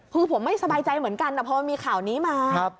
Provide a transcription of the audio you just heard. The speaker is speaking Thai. คือผมไม่สบายใจเหมือนกันนะพอมีข่าวนี้มา